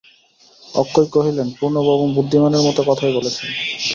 অক্ষয় কহিলেন, পূর্ণবাবু বুদ্ধিমানের মতো কথাই বলেছেন।